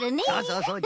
そうそう。